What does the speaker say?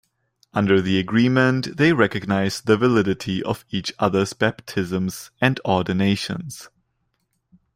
Under the agreement, they recognize the validity of each other's baptisms and ordinations.